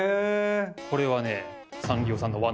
これはね。